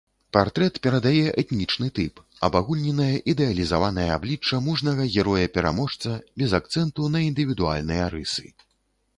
Партрэт перадае этнічны тып, абагульненае ідэалізаванае аблічча мужнага героя-пераможца, без акцэнту на індывідуальныя рысы.